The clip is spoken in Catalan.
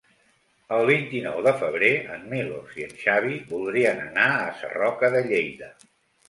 El vint-i-nou de febrer en Milos i en Xavi voldrien anar a Sarroca de Lleida.